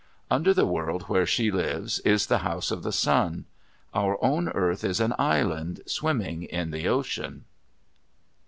Under the world where she lives is the House of the Sun. Our own earth is an island swimming in the ocean.